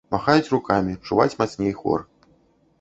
Махаюць рукамі, чуваць мацней хор.